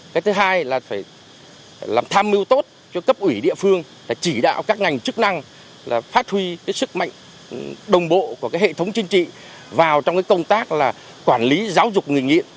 cái thứ hai là phải làm tham mưu tốt cho cấp ủy địa phương phải chỉ đạo các ngành chức năng phát huy sức mạnh đồng bộ của hệ thống chính trị vào trong công tác quản lý giáo dục người nghiện